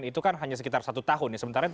itu kan hanya sekitar satu tahun ya